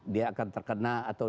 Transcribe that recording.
dia akan terkena atau